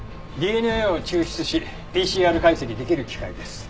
ＤＮＡを抽出しＰＣＲ解析できる機械です。